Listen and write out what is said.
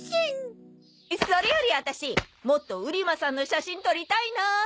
それよりワタシもっと売間さんの写真撮りたいなあ。